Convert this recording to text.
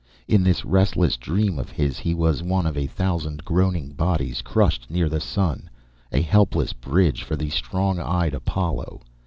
In this restless dream of his he was one of a thousand groaning bodies crushed near the sun, a helpless bridge for the strong eyed Apollo.